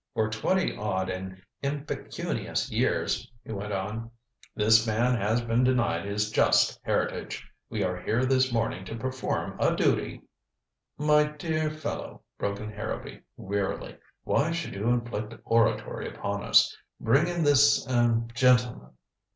"For twenty odd and impecunious years," he went on, "this man has been denied his just heritage. We are here this morning to perform a duty " "My dear fellow," broke in Harrowby wearily, "why should you inflict oratory upon us? Bring in this er gentleman."